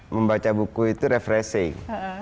membaca buku itu refreshing